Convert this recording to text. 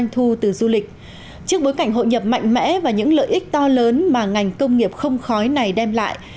trước bối cảnh hội nhập mạnh mẽ và những lợi ích to lớn mà ngành công nghiệp không khói này đem lại